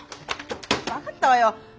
分かったわよ。